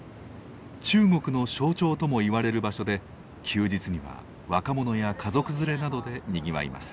中国の象徴ともいわれる場所で休日には若者や家族連れなどでにぎわいます。